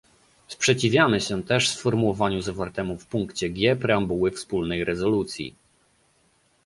Sprzeciwiamy się też sformułowaniu zawartemu w punkcie G preambuły wspólnej rezolucji